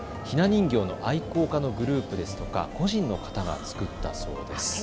ひな人形の愛好家のグループですとか個人の方が作ったそうです。